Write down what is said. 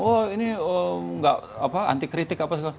oh ini nggak apa anti kritik apa